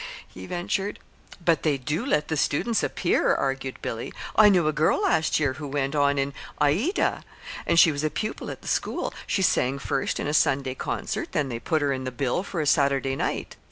he ventured. "But they do let the students appear," argued Billy. "I knew a girl last year who went on in 'Aida,' and she was a pupil at the School. She sang first in a Sunday concert, then they put her in the bill for a Saturday night.